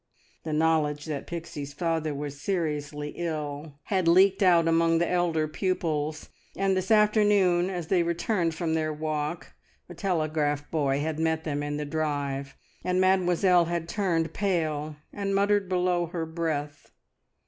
The knowledge that Pixie's father was seriously ill had leaked out among the elder pupils, and this afternoon, as they returned from their walk, a telegraph boy had met them in the drive, and Mademoiselle had turned pale and muttered below her breath.